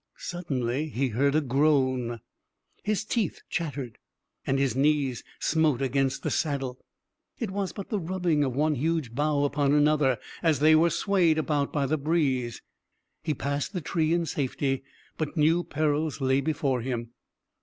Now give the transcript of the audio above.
Suddenly he heard a groan his teeth chattered, and his knees smote against the saddle: it was but the rubbing of one huge bough upon another, as they were swayed about by the breeze. He passed the tree in safety, but new perils lay before him.